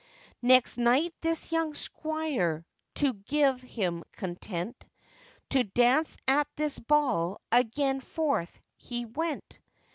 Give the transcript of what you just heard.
Next night this young squire, to give him content, To dance at this ball again forth he went.